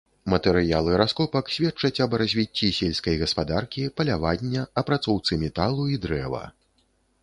Матэрыялы раскопак сведчаць аб развіцці сельскай гаспадаркі, палявання, апрацоўцы металу і дрэва.